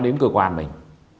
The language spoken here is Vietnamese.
đến cơ quan mình